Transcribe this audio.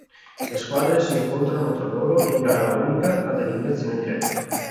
Le squadre si incontrano tra loro in gara unica ad eliminazione diretta.